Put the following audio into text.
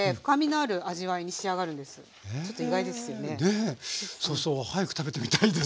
ねえそうそう早く食べてみたいです。